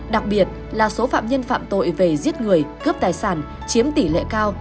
đặc biệt là số phạm nhân phạm tội về giết người cướp tài sản chiếm tỷ lệ cao